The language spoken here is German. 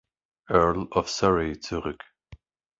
Earl of Surrey zurück.